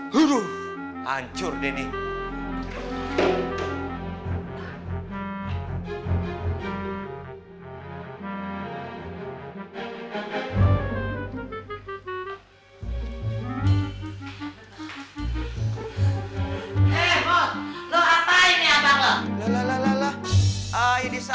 waduh hancur dia ini